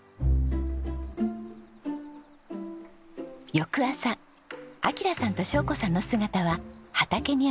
翌朝暁良さんと晶子さんの姿は畑にありました。